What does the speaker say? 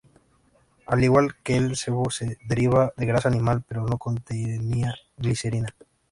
Al igual que el sebo, se derivaba de grasa animal, pero no contenía glicerina.